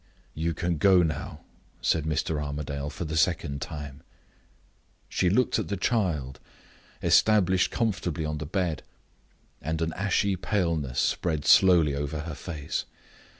"You can go now," said Mr. Armadale, for the second time. She looked at the child, established comfortably on the bed, and an ashy paleness spread slowly over her face.